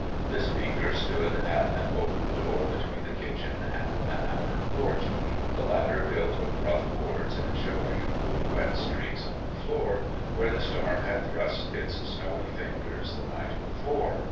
The speaker stood at an open door between the kitchen and an outer porch, the latter built of rough boards and showing little wet streaks on the floor, where the storm had thrust in its snowy fingers the night before.